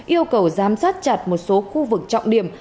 yêu cầu giám sát chặt một số khu vực trọng điểm